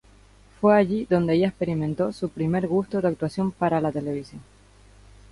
Fue allí donde ella experimentó su primer gusto de actuación para la televisión.